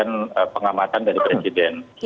atau hasil hasil survei semacam ini ya